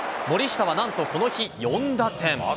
森下はなんとこの日、４打点。